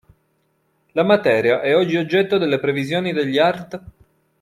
La materia è oggi oggetto delle previsioni degli artt.